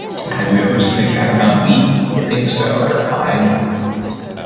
Have you ever seen a Catamount leap? I think so, I replied.